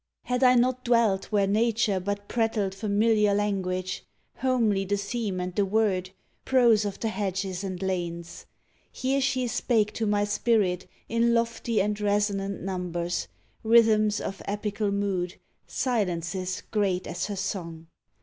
Had I not dwelt where Nature but prattled familiar language, 195 MISCELLANEOUS POEMS Homely the theme and the word, prose of the hedges and lanes ? Here she spake to my spirit in lofty and resonant numbers, Rhythms of epical mood, silences great as her song.